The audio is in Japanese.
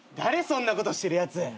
そんなことしてるやつ。